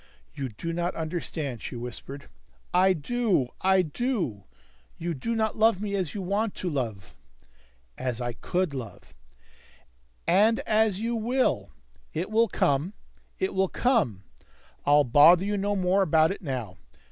"You do not understand," she whispered. "I do. I do. You do not love me as you want to love." "As I could love " "And as you will! It will come. It will come. I'll bother you no more about it now.